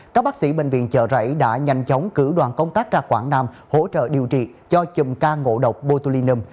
các bác sĩ bệnh viện chợ rẫy đã nhanh chóng cử đoàn công tác ra quảng nam hỗ trợ điều trị cho chùm ca ngộ độc botulinum